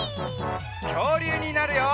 きょうりゅうになるよ！